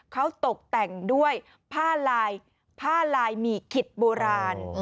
เขาตกแต่งด้วยผ้าลายผ้าลายหมี่ขิดโบราณ